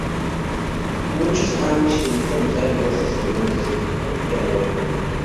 Muchos amish evitan usar diversos elementos de tecnología moderna.